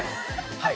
はい。